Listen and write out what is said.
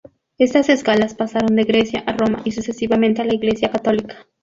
Estas escalas pasaron de Grecia a Roma y sucesivamente a la Iglesia católica.